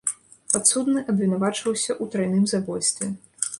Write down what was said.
Падсудны абвінавачваўся ў трайным забойстве.